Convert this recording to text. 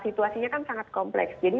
situasinya kan sangat kompleks jadi